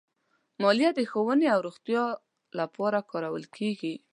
مالیه د ښوونې او روغتیا لپاره کارول کېږي.